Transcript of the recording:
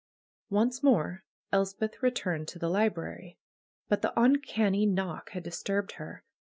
Once more Elspeth returned to the library. But the uncanny knock had disturbed her.